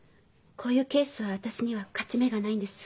こういうケースは私には勝ち目がないんです。